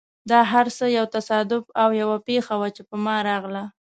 دا هر څه یو تصادف او یوه پېښه وه، چې په ما راغله.